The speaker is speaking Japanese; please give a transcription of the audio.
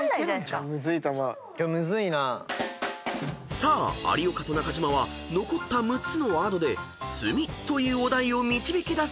［さあ有岡と中島は残った６つのワードで「墨」というお題を導き出せるか？］